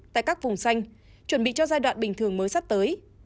tại các vùng xanh chuẩn bị cho giai đoạn bình thường mới sắp tới